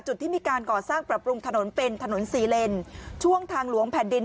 ที่มีการก่อสร้างปรับปรุงถนนเป็นถนนสี่เลนช่วงทางหลวงแผ่นดิน